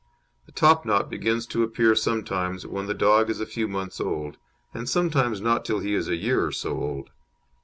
The topknot begins to appear sometimes when the dog is a few months old, and sometimes not till he is a year or so old.